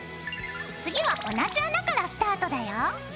次は同じ穴からスタートだよ。